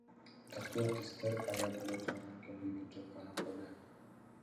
Татыктуу артисттер пайда боло турган күндү күтүү гана калды.